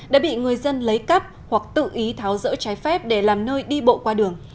đã bị người dân lấy cắp hoặc tự ý tháo rỡ trái phép để làm nơi đi bộ qua đường